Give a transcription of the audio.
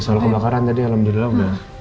soal kebakaran tadi alhamdulillah udah